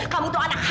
kamu tuh anak haram